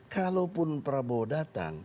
kalaupun prabowo datang